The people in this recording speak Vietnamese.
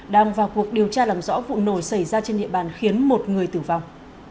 đang vào cuộc điều tra làm rõ vụ nổ xảy ra trên địa bàn khiến một người tử vong